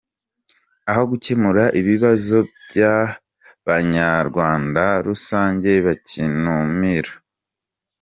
Ahogukemura ibibazo bya banyarda rusange bakinumira